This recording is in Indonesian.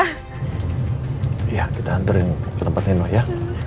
iya kita anterin ke tempat nino ya